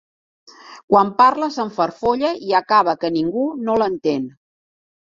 Quan parla, s'enfarfolla i acaba que ningú no l'entén.